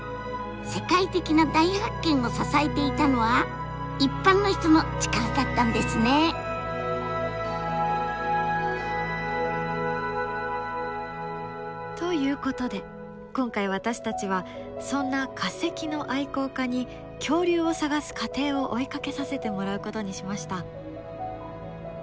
世界的な大発見を支えていたのは一般の人の力だったんですね！ということで今回私たちはそんな化石の愛好家に恐竜を探す過程を追いかけさせてもらうことにしました。